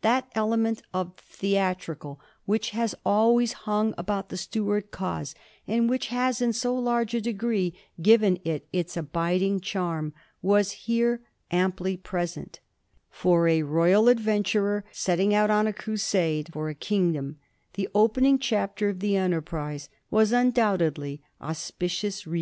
That element of the theat rical which has always hung about the Stuart cause, and which has in so large a degree given it its abiding charm, was here amply present. For a royal adventurer setting out on a crusade for a kingdom the opening chapter of the enterprise was undoubtedly auspicious r